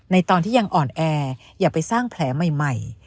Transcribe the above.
ตอนที่ยังอ่อนแออย่าไปสร้างแผลใหม่